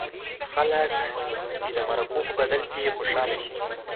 خلک دې د مرکو په بدل کې خوشاله شي.